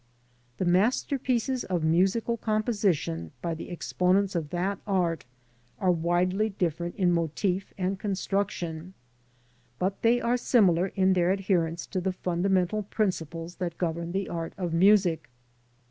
The masterpieces of musical composition by the exponents of that art are widely different in mofi/ and construction, but they are similar in their adherence to the fundamental principles that govern the art of music.